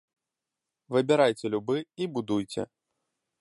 Выбірайце любы і будуйце.